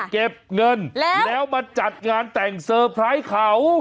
เก็บเงินแล้วมาจัดงานแต่งเซอร์ไพรส์เขา